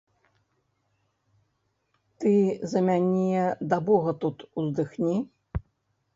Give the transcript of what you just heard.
Ты за мяне да бога тут уздыхні.